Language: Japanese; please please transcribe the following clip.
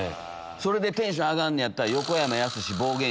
それでテンション上がんねやったら。